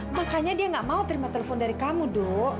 makanya dia gak mau terima telepon dari kamu dok